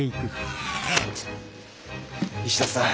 石田さん